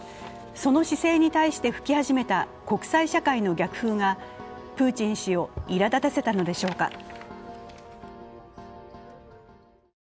その姿勢に対して吹き始めた国際社会の逆風がプーチン氏をいらだたせたのでしょうか？